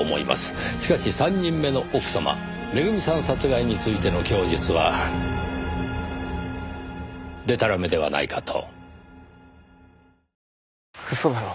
しかし３人目の奥様めぐみさん殺害についての供述はでたらめではないかと。